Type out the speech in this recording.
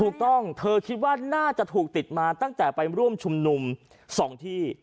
ถูกต้องเธอคิดว่าน่าจะถูกติดมาตั้งแต่ไปร่วมชุมนุม๒ที่